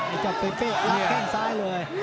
ไอ้เจ้าเป๊ะเป๊ะโดนแข้งซ้ายเลย